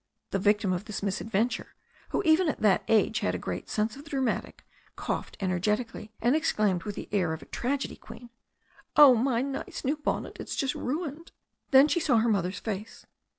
The victim of this misadventure, who even at that age had a great sense of the dramatic, coughed energetically, and exclaimed with the air of a tragedy queen : "Oh, my nice new bonnet ! It's just ruined." Then she saw her mother's face.